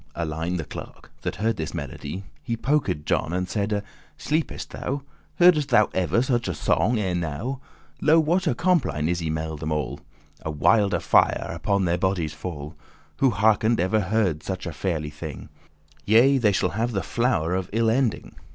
Alein the clerk, that heard this melody, He poked John, and saide: "Sleepest thou? Heardest thou ever such a song ere now? Lo what a compline<21> is y mell* them all. *among A wilde fire upon their bodies fall, Who hearken'd ever such a ferly* thing? *strange <22> Yea, they shall have the flow'r of ill ending!